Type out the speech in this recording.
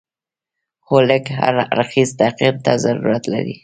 خو لږ هر اړخیز تحقیق ته ضرورت لري.